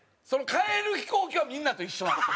帰る飛行機はみんなと一緒なんですよ。